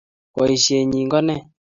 Boisienyi ko ne?